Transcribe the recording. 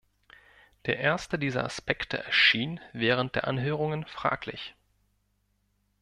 Der erste dieser Aspekte erschien während der Anhörungen fraglich.